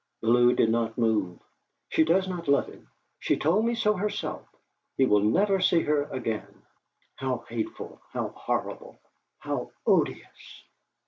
Bellew did not move. "She does not love him; she told me so herself! He will never see her again!" How hateful, how horrible, how odious!